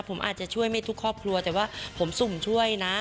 ผมอาจจะช่วยไม่ทุกครอบครัวแต่ว่าผมสุ่มช่วยนะ